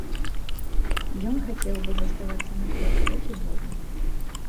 Ён хацеў бы заставацца на полі трохі болей.